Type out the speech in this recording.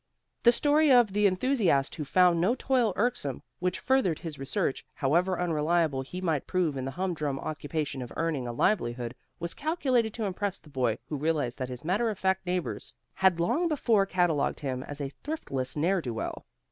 The story of the enthusiast who found no toil irksome which furthered his research, however unreliable he might prove in the humdrum occupation of earning a livelihood, was calculated to impress the boy who realized that his matter of fact neighbors had long before catalogued him as a thriftless ne'er do well.